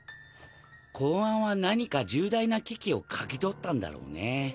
公安は何か重大な危機を嗅ぎ取ったんだろうね。